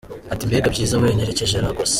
Ati :”Mbega byiza we nerekeje I Lagos.